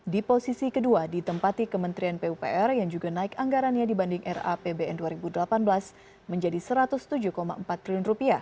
di posisi kedua ditempati kementerian pupr yang juga naik anggarannya dibanding rapbn dua ribu delapan belas menjadi rp satu ratus tujuh empat triliun